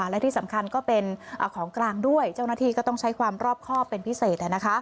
และที่สำคัญก็เป็นของกลางด้วยเจ้าหน้าที่ก็ต้องใช้ความรอบครอบเป็นพิเศษ